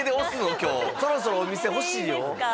今日そろそろお店欲しいよ